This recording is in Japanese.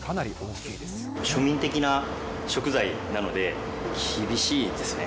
庶民的な食材なので、厳しいですね。